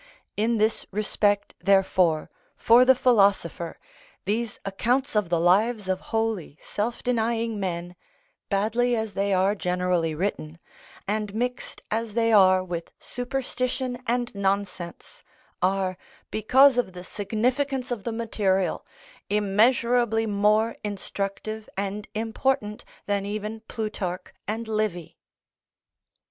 In this respect, therefore, for the philosopher, these accounts of the lives of holy, self denying men, badly as they are generally written, and mixed as they are with superstition and nonsense, are, because of the significance of the material, immeasurably more instructive and important than even Plutarch and Livy.